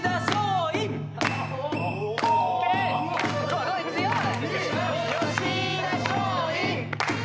すごい強い。